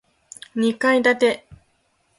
二階建て